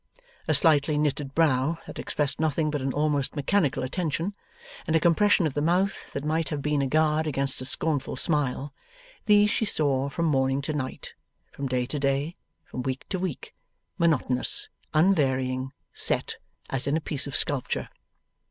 A slightly knitted brow, that expressed nothing but an almost mechanical attention, and a compression of the mouth, that might have been a guard against a scornful smile these she saw from morning to night, from day to day, from week to week, monotonous, unvarying, set, as in a piece of sculpture.